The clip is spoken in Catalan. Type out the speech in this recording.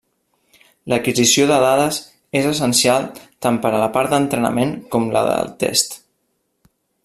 L'adquisició de dades és essencial tant per a la part d'entrenament com la de test.